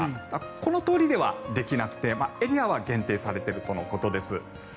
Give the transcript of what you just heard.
この通りではできなくてエリアは限定されているとのことです。